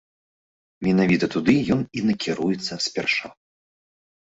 Менавіта туды ён і накіруецца спярша.